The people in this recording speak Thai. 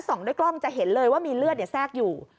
ด้วยกล้องจะเห็นเลยว่ามีเลือดแทรกอยู่